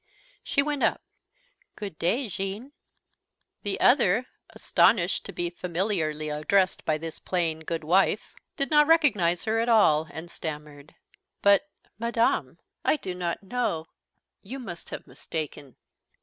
She went up. "Good day, Jeanne." The other, astonished to be familiarly addressed by this plain good wife, did not recognize her at all, and stammered: "But madame! I do not know You must have mistaken."